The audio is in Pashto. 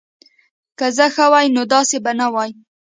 که زه ښه وای نو داسی به نه وای